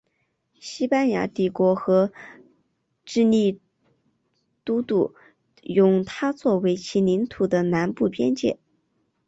西班牙帝国和智利都督用它作为其领土的南部边界。